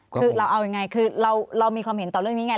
คือเราเอายังไงคือเรามีความเห็นต่อเรื่องนี้ไง